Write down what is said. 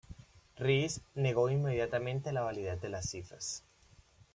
Riis negó inmediatamente la validez de las cifras.